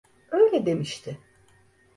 Öyle demişti.